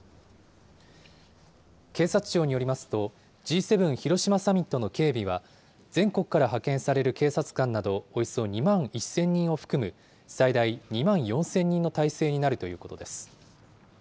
警察庁によりますと、Ｇ７広島サミットの警備は、全国から派遣される警察官などおよそ２万１０００人を含む、最大２万４０００人の態勢になるということです。